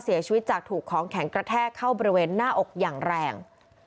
เสียชีวิตจากถูกของแข็งกระแทกเข้าบริเวณหน้าอกอย่างแรง